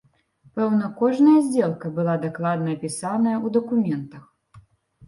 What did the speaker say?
Пэўна, кожная здзелка была дакладна апісаная ў дакументах.